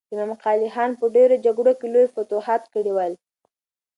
امام قلي خان په ډېرو جګړو کې لوی فتوحات کړي ول.